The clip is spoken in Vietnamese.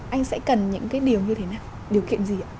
anh sẽ cần những cái điều như thế nào điều kiện gì ạ